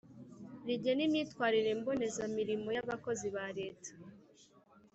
rigena imyitwarire mbonezamurimo y’abakozi ba leta).